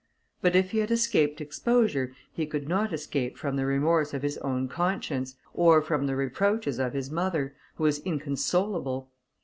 But if he had escaped exposure, he could not escape from the remorse of his own conscience, or from the reproaches of his mother, who was inconsolable.